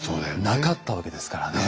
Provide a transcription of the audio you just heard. なかったわけですからね。